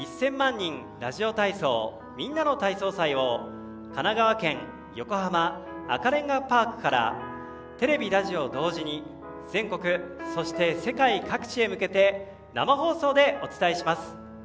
人ラジオ体操・みんなの体操祭」を神奈川県横浜赤レンガパークからテレビ、ラジオ同時に全国、そして世界各地へ向けて生放送でお伝えします。